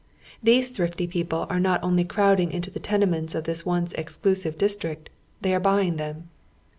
These thrifty people are not only crowding into the tenements of tliis once exclusive district— they a] e buying them.